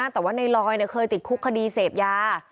แต่ว่าในลอยเคยติดคุกคดีเสพยา